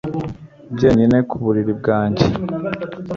jyenyine ku buriri bwanjye